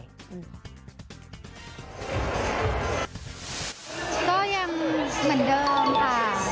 ก็ยังเหมือนเดิมค่ะ